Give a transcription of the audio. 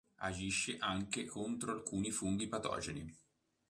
Agisce anche contro alcuni funghi patogeni.